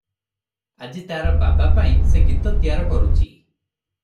ଆଜି ତାର ବାବା- ପାଇଁ ସେ ଗୀତ ତିଆର କରୁଚି ।